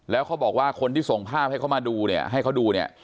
แล้วเขาบอกว่าคนที่ส่งภาพให้เขามาดูเนี่ยให้เขาดูเนี่ย